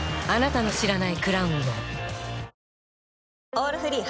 「オールフリー」